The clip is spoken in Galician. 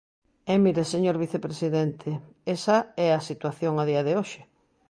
E mire, señor vicepresidente, esa é a situación a día de hoxe.